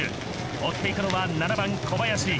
追って行くのは７番小林。